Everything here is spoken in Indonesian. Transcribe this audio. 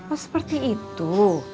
oh seperti itu